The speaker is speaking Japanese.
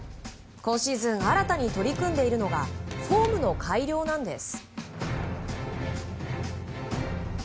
今シーズン新たに取り組んでいるのがフォームの改良なんです。